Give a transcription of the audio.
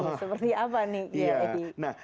seperti apa nih